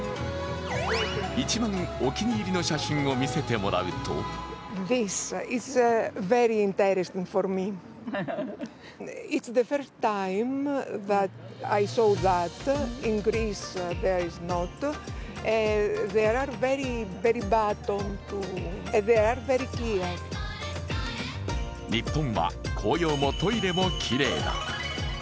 一番お気に入りの写真を見せてもらうと日本は、紅葉もトイレもきれいだ。